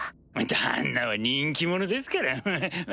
旦那は人気者ですからハハっ。